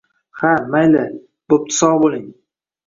- Aha, mayli, bo'pti sog' bo'ling!